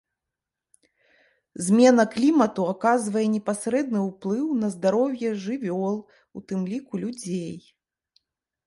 Змена клімату аказвае непасрэдны ўплыў на здароўе жывёл, у тым ліку людзей.